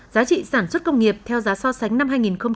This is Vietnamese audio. giá trị sản xuất công nghiệp theo giá so sánh năm hai nghìn một mươi chín